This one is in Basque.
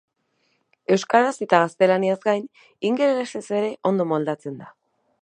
Euskaraz eta gaztelaniaz gain, ingelesez ere ondo moldatzen da.